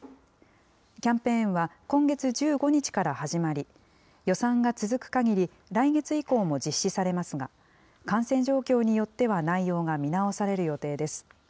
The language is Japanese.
キャンペーンは今月１５日から始まり、予算が続くかぎり、来月以降も実施されますが、感染状況によっては内容が見直される予定です。